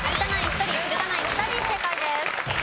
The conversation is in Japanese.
１人古田ナイン２人正解です。